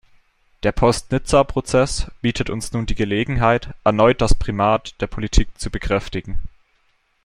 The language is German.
Der Post-Nizza-Prozess bietet uns nun die Gelegenheit, erneut das Primat der Politik zu bekräftigen.